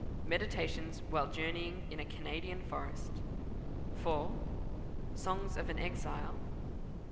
Meditations while Journeying in a Canadian Forest; 4. Song of an Exile; 5.